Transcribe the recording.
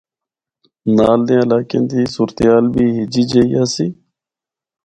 نال دے علاقیاں دی صورت حال بھی ہِجی جئی آسی۔